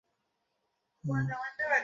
কিন্তু, আমি একজন সাধারণ পুরোহিত মাত্র।